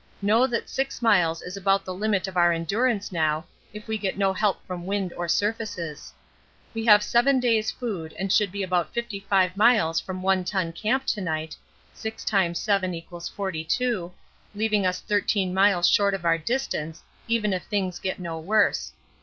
Know that 6 miles is about the limit of our endurance now, if we get no help from wind or surfaces. We have 7 days' food and should be about 55 miles from One Ton Camp to night, 6 × 7 = 42, leaving us 13 miles short of our distance, even if things get no worse.